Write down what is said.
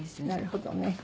なるほどね。